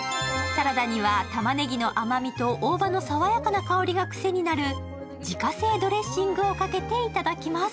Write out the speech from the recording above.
サラダにはたまねぎの甘みと大葉の爽やかな香りが癖になる自家製ドレッシングをかけていただきます。